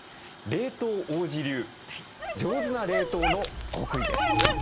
冷凍王子流上手な冷凍の極意です。